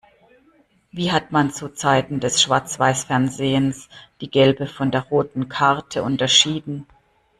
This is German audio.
Wie hat man zu Zeiten des Schwarzweißfernsehens die gelbe von der roten Karte unterschieden?